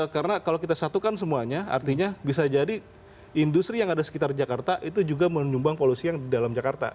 karena kalau kita satukan semuanya artinya bisa jadi industri yang ada sekitar jakarta itu juga menyumbang polusi yang di dalam jakarta